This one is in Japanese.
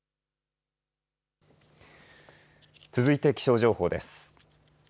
続いて気象情報です。